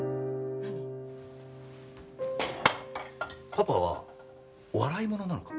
パパは笑い物なのか？